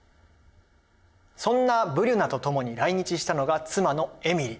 そんなブリュナとともに来日したのが妻のエミリ。